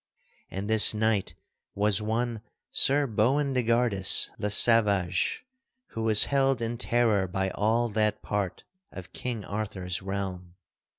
And this knight was one Sir Boindegardus le Savage, who was held in terror by all that part of King Arthur's realm.